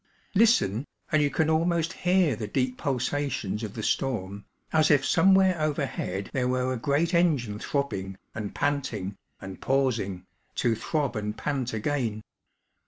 Listen, and you can almost hear the deep pulsations of the storm, as if somewhere overhead there were a great engine throbbing, and panting, and pausing> to throb and pant again.